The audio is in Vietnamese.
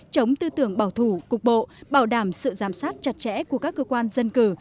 chống tư tưởng bảo thủ cục bộ bảo đảm sự giám sát chặt chẽ của các cơ quan dân cử